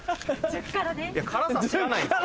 辛さ知らないんです。